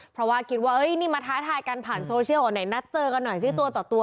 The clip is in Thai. เพราะว่าคิดว่านี่มาท้าทายกันผ่านโซเชียลไหนนัดเจอกันหน่อยสิตัวต่อตัว